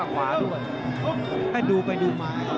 ให้ดูไปดูอีกมา